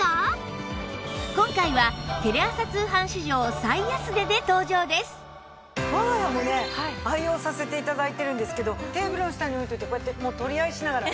今回は我が家もね愛用させて頂いてるんですけどテーブルの下に置いといてこうやってもう取り合いしながら。